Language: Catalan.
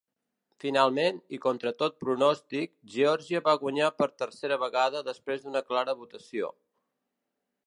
Finalment, i contra tot pronòstic, Geòrgia va guanyar per tercera vegada després d'una clara votació.